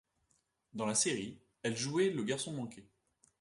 Dans la série, elle jouait le garçon manqué.